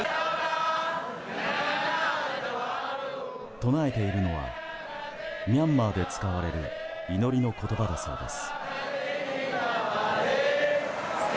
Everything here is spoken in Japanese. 唱えているのはミャンマーで使われる祈りの言葉だそうです。